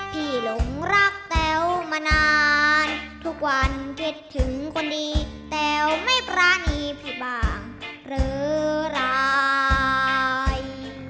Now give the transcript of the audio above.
หลงรักแต๋วมานานทุกวันคิดถึงคนดีแต๋วไม่ปรานีพี่บ้างหรือราย